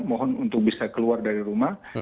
mohon untuk bisa keluar dari rumah